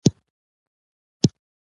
مېلمه ته به ښه جامې واغوندې.